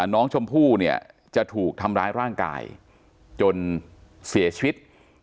น้องชมพู่เนี่ยจะถูกทำร้ายร่างกายจนเสียชีวิต